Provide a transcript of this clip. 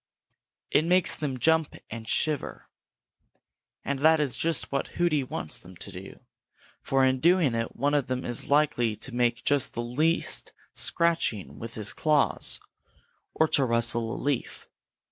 It makes them jump and shiver, and that is just what Hooty wants them to do, for in doing it one of them is likely to make just the least scratching with his claws, or to rustle a leaf.